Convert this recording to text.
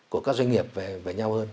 của các doanh nghiệp về nhau hơn